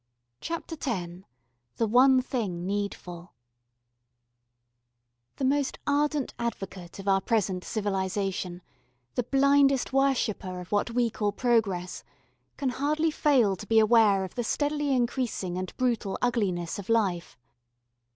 CHAPTER X The One Thing Needful THE most ardent advocate of our present civilisation, the blindest worshipper of what we call progress, can hardly fail to be aware of the steadily increasing and brutal ugliness of life.